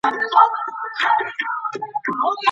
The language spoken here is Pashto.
په لاس خط لیکل د ژبي بډاینه ښیي.